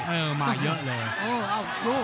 เออมาเยอะเลย